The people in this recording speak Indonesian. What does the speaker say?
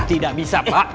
tidak bisa pak